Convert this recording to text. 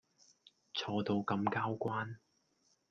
錯到咁交關